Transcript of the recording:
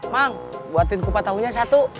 mang buatin kupat tahunya satu